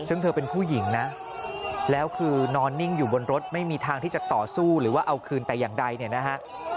ซึ่งเธอเป็นผู้หญิงนะแล้วคือนอนนิ่งอยู่บนรถไม่มีทางที่จะต่อสู้หรือว่าเอาคืนแต่อย่างใดเนี่ยนะฮะ